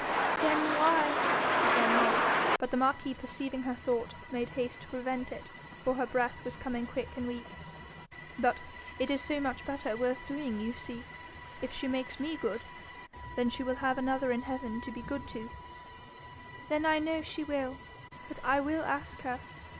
'Then why ?' began Molly; but the marquis perceiving her thought, made haste to prevent it, for her breath was coming quick and weak. 'But it is so much better worth doing, you see. If she makes me good, she will have another in heaven to be good to.' 'Then I know she will. But I will ask her.